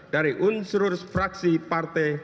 dari unsur fraksi partai